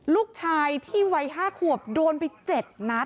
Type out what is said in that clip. ลูกชายที่วัย๕ขวบโดนไป๗นัด